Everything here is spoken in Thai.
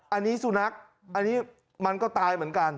อันนี้สุนัขอันนี้มันก็ตายเหมือนกัน